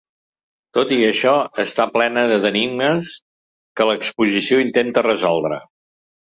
Tot i això, està plena d’enigmes que l’exposició intenta resoldre.